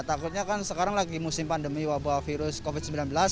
takutnya kan sekarang lagi musim pandemi wabah virus covid sembilan belas